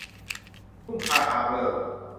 ทุ่งคาฮาเบอร์